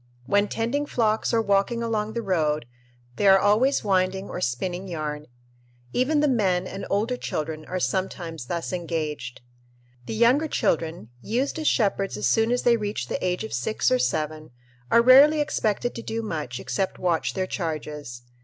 When tending flocks or walking along the road they are always winding or spinning yarn. Even the men and older children are sometimes thus engaged. The younger children, used as shepherds as soon as they reach the age of six or seven, are rarely expected to do much except watch their charges.